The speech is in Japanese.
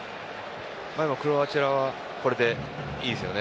クロアチアはこれでいいですよね。